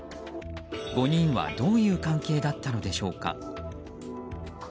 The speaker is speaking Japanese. ５人はどういう関係だったのでしょうか。